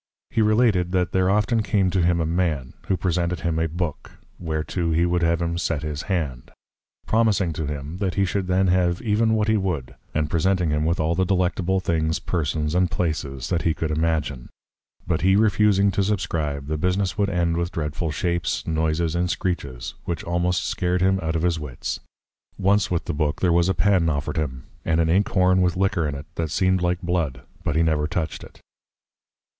He related, that there often came to him a Man, who presented him a Book, whereto he would have him set his Hand; promising to him, that he should then have even what he would; and presenting him with all the delectable Things, Persons, and Places, that he could imagin. But he refusing to subscribe, the business would end with dreadful Shapes, Noises and Screeches, which almost scared him out of his Wits. Once with the Book, there was a Pen offered him, and an Ink horn with Liquor in it, that seemed like Blood: But he never toucht it.